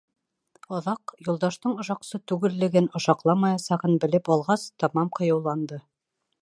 Аҙаҡ, Юлдаштың ошаҡсы түгеллеген, ошаҡламаясағын белеп алғас, тамам ҡыйыуланды.